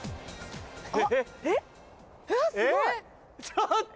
ちょっと！